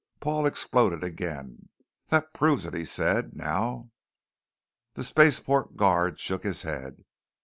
Paul exploded again. "That proves it," he said. "Now " The spaceport guard shook his head.